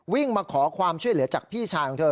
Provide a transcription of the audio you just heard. วิ่งมาขอความช่วยเหลือจากพี่ชายของเธอ